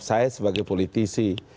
saya sebagai politisi